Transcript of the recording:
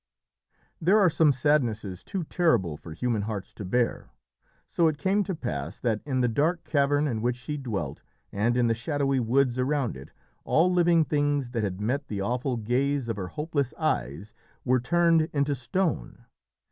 There are some sadnesses too terrible for human hearts to bear, so it came to pass that in the dark cavern in which she dwelt, and in the shadowy woods around it, all living things that had met the awful gaze of her hopeless eyes were turned into stone.